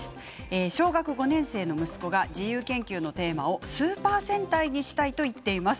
小学５年生の息子が自由研究のテーマをスーパー戦隊にしたいと言っています。